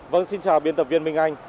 vâng xin chào biên tập viên minh anh